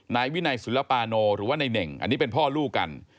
นายวินัยศิลปาโนหรือว่าในเน่งอันนี้เป็นพ่อลูกกัน